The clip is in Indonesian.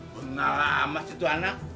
benar amat itu anak